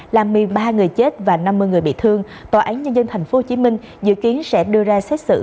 làm một mươi ba người chết và năm mươi người bị thương tòa án nhân dân tp hcm dự kiến sẽ đưa ra xét xử